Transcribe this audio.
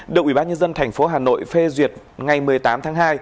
đội bác nhân dân tp hà nội phê duyệt ngày một mươi tám tháng hai